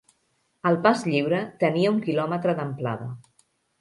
El pas lliure tenia un quilòmetre d'amplada